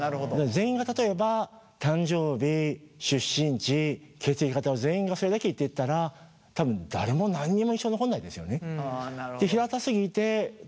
全員が例えば誕生日出身地血液型を全員がそれだけ言っていったら多分誰も何にも印象に残んないですよね。